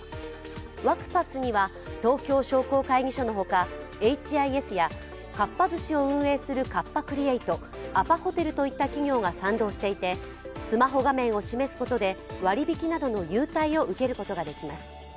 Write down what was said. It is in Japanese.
ワクパスには東京商工会議所のほか、エイチ・アイ・エスやかっぱ寿司を運営するカッパ・クリエイト、アパホテルといった企業が賛同していて、スマホ画面を示すことで割引などの優待を受けることができます。